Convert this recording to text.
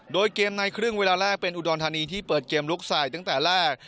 โดยเกมในครึ่งเวลาแรกเป็นอุดรธานีที่เปิดเกมลุกใส่ตั้งแต่แรก